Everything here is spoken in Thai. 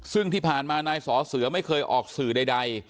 ซึ่งที่ผ่านมานายสอเสือไม่เคยออกสื่อใด